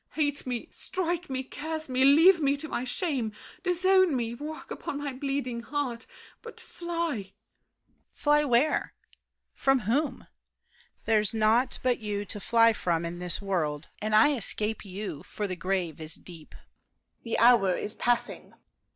Hate me, strike me, curse me, leave Me to my shame, disown me, walk upon My bleeding heart—but fly! DIDIER. Fly where? From whom? There's naught but you to fly from in this world; And I escape you, for the grave is deep. THE JAILER. The hour is passing.